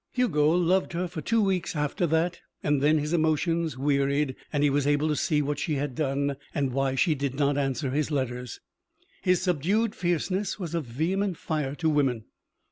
Hugo loved her for two weeks after that, and then his emotions wearied and he was able to see what she had done and why she did not answer his letters. His subdued fierceness was a vehement fire to women.